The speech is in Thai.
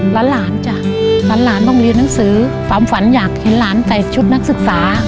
ร้านหลานจ้ะร้านหลานต้องเรียนหนังสือฝรั่งฝันอยากเห็นหลานใส่ชุดหนังศึกษา